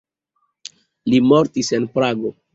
Li mortis en Prago.